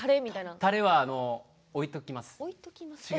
タレは置いておきます。